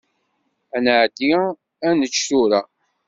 Ad nεeddi ad nečč tura.